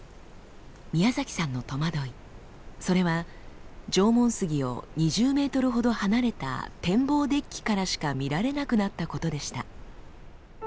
宮崎さんの戸惑いそれは縄文杉を２０ｍほど離れた展望デッキからしか見られなくなったことでした。